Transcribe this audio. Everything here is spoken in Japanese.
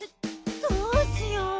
どうしよう。